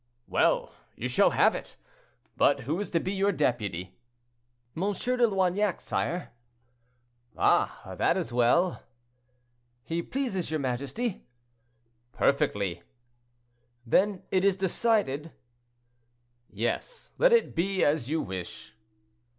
"Well, you shall have it. But who is to be your deputy?" "M. de Loignac, sire." "Ah! that is well." "He pleases your majesty?" "Perfectly." "Then it is decided?" "Yes; let it be as you wish."